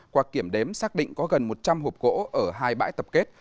qua kiểm đếm xác định có gần một trăm linh hộp gỗ ở hai bãi tập kết